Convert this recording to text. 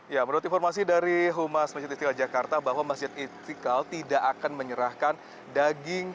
ya menurut informasi dari humas masjid istiqlal jakarta bahwa masjid istiqlal tidak akan menyerahkan daging